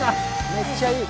めっちゃいい。